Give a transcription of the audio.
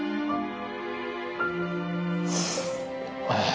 ああ。